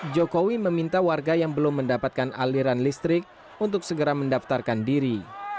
jokowi meminta warga yang belum mendapatkan aliran listrik untuk segera mendaftarkan diri